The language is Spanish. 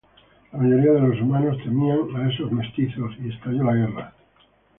La mayoría de los humanos temían a estos mestizos y estalló la guerra.